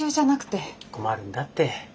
困るんだって。